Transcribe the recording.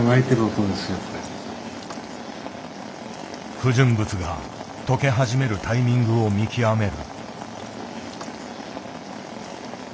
不純物が溶け始めるタイミングを見極める。